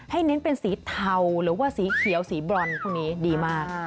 เน้นเป็นสีเทาหรือว่าสีเขียวสีบรอนพวกนี้ดีมาก